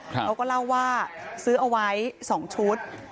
เขาก็เล่าว่าซื้อเอาไว้๒ชุด